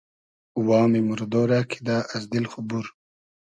وامی موردۉ رۂ کیدۂ از دیل خو بور